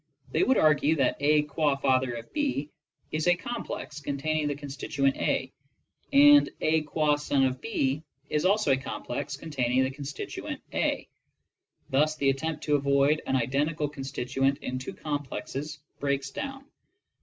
They would argue that ''A qtid father of B" is a complex containing the constituent A, and ^'A gua son of C is also a complex containing the constituent A. Thus the attempt to avoid an identical constituent in two complexes breaks down.